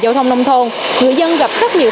giao thông nông thôn người dân gặp rất nhiều